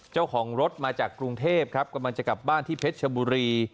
เจ้าของรถมาจากกรุงเทพครับกำลังจะกลับบ้านที่เพชรชบุรี